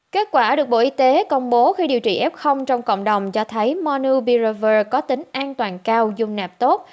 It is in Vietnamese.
kết quả được bộ y tế công bố khi điều trị f trong cộng đồng cho thấy monu pirover có tính an toàn cao dung nạp tốt